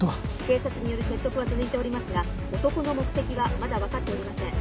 警察による説得は続いておりますが男の目的はまだ分かっておりません。